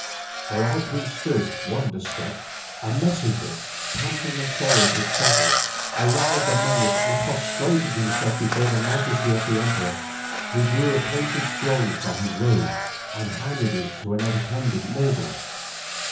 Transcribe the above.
For as we stood wonder struck, a messenger, panting and soiled with travel, arrived among us and prostrating himself before the majesty of the emperor, he drew a painted scroll from his robe and handed it to an attendant noble.